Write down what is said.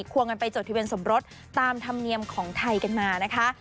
วงกันไปจดทะเบียนสมรสตามธรรมเนียมของไทยกันมานะคะ